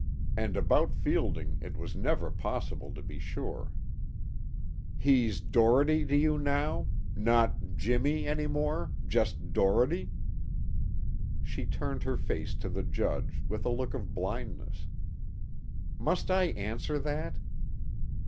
And about Fielding it was never possible to be sure. "He's 'Doherty' to you now? Not 'Jimmy' any more, just 'Doherty'?" She turned her face to the Judge with a look of blindness. "Must I answer that?"